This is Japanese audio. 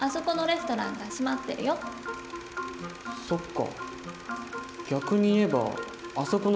そっか。